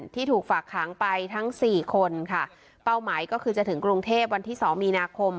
ที่ถูกฝากขังไปทั้งสี่คนค่ะเป้าหมายก็คือจะถึงกรุงเทพวันที่สองมีนาคม